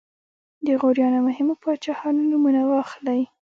د غوریانو مهمو پاچاهانو نومونه واخلئ.